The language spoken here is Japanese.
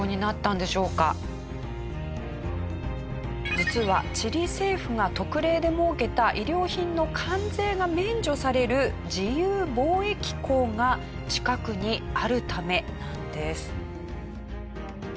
実はチリ政府が特例で設けた衣料品の関税が免除される自由貿易港が近くにあるためなんです。